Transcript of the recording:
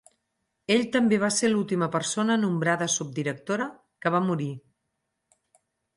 Ell també va ser l'última persona nombrada subdirectora que va morir.